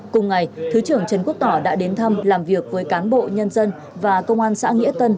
cùng ngày thứ trưởng trần quốc tỏ đã đến thăm làm việc với cán bộ nhân dân và công an xã nghĩa tân